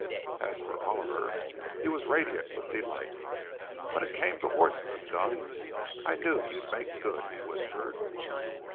As for Oliver, he was radiant with delight. "When it came to horses and guns, I knew you'd make good," he whispered.